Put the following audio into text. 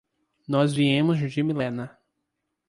Nós viemos de Millena.